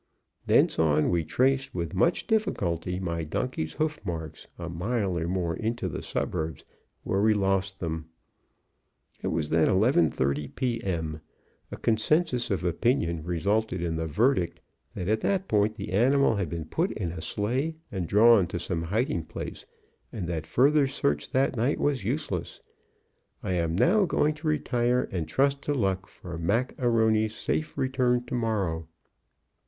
Thence on, we traced with much difficulty my donkey's hoof marks a mile or more into the suburbs, where we lost them. It was then 11:30 P. M. A concensus of opinion resulted in the verdict that at that point the animal had been put in a sleigh and drawn to some hiding place and that further search that night was useless. I am now going to retire, and trust to luck for Mac A'Rony's safe return to morrow."